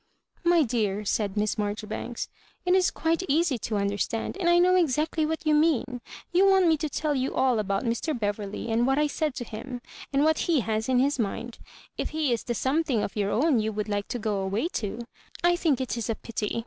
"My dear," said Miss Marjoribanks, "it is quite easy to understand, and I know exactly what you mean. You want me to tell you all about Mr. Beverley, and what I said to him, and what he lias in his mind. If he is the something of your own you would like to go away to, I think it is a pity.